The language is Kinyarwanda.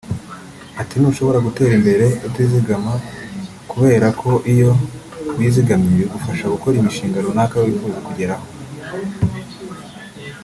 Ati” Ntushobora gutera imbere utizigama kubera ko iyo wizigamye bigufasha gukora imishinga runaka wifuza kugeraho